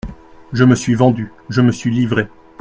Je me suis vendue, je me suis livrée.